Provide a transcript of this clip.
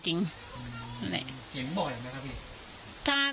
เห็นบ่อยไหมครับพี่